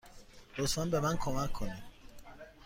لطفا به من کمک کنید.